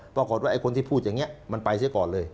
ปรากฏว่าไอ้คนที่พูดอย่างนี้มันไปเสียก่อนเลย